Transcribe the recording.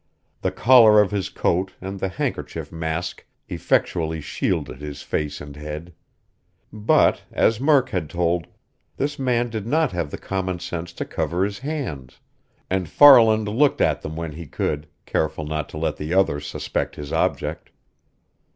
The collar of his coat and the handkerchief mask effectually shielded his face and head. But, as Murk had told, this man did not have the common sense to cover his hands, and Farland looked at them when he could, careful not to let the other suspect his object.